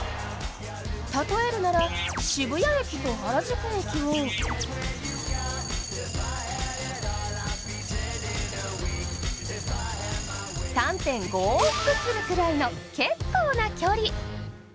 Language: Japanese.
例えるなら、渋谷駅と原宿駅を３．５往復するくらいの結構な距離。